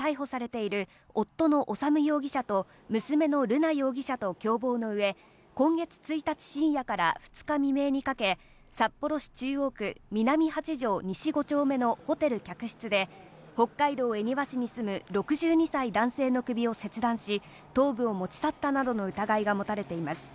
田村容疑者は既に逮捕されている夫の修容疑者と娘の瑠奈容疑者と共謀のうえ、今月１日、深夜から２日未明にかけ、札幌市中央区南８条西５丁目のホテル客室で北海道恵庭市に住む６２歳・男性の首を切断し、頭部を持ち去ったなどの疑いが持たれています。